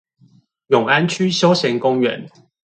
永安區休閒公園